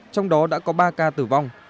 trong đó đã có ba ca tử vong